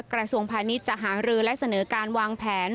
กระทรวงพาณิชย์จะหารือและเสนอการวางแผน